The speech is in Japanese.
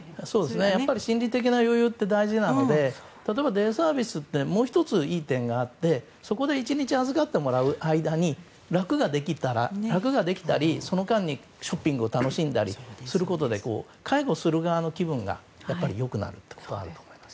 やっぱり心理的な余裕って大事なので例えばデイサービスってもう１ついい点があってそこで１日預かってもらう間に楽ができたりその間にショッピングを楽しむことができたり介護する側の気分が良くなることはあると思います。